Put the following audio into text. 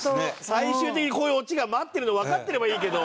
最終的にこういうオチが待ってるのわかってればいいけど。